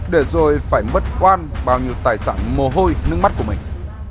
để rồi phải mất quan bao nhiêu tài sản mồ hôi nước mắt của mình